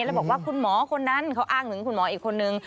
แล้วบอกว่าคุณหมอคนนั้นเขาอ้างถึงคุณหมออีกคนนึง